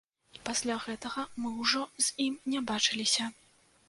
І пасля гэтага мы ўжо з ім не бачыліся.